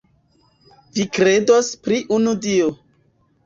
Vi kredos pri unu Dio.